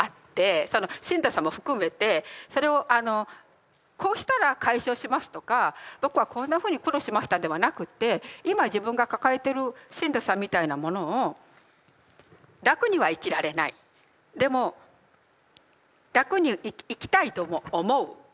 そのしんどさも含めてそれをこうしたら解消しますとか僕はこんなふうに苦労しましたではなくって今自分が抱えてるしんどさみたいなものを楽には生きられないでも楽に生きたいとも思う。